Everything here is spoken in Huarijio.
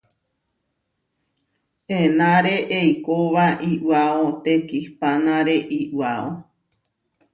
Enáre eikóba iʼwáo tekihpánare iʼwáo.